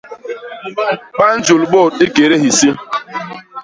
Ba njul bôt i kédé hisi.